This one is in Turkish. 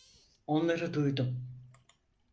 Onları duydum.